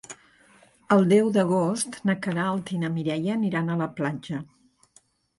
El deu d'agost na Queralt i na Mireia aniran a la platja.